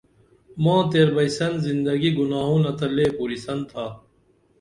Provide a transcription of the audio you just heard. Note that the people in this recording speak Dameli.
ماں تیربئسن زندگی گناہونہ تہ لے پُرِسن تھا